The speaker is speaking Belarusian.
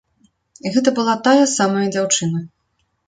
Гэта была тая самая дзяўчына.